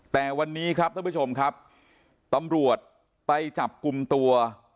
แต่วันนี้ครับท่านผู้ชมครับตำรวจไปจับกลุ่มตัว